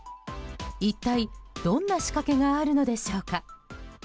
一体、どんな仕掛けがあるのでしょうか。